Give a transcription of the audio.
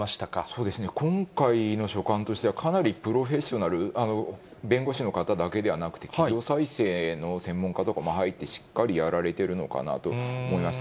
そうですね、今回のしょかんとしては、かなりプロフェッショナル、弁護士の方だけではなくて、企業再生の専門家なども入って、しっかりやられているのかなと思いました。